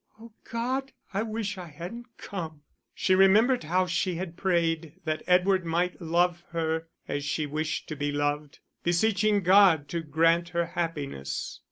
"Oh, God, I wish I hadn't come." She remembered how she had prayed that Edward might love her as she wished to be loved, beseeching God to grant her happiness.